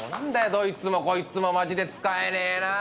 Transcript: どいつもこいつもマジで使えねえな！